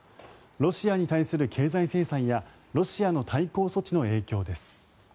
ロシアに対する経済制裁やロシアの対抗措置の影響です。